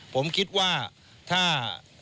ผมคิดว่าถ้า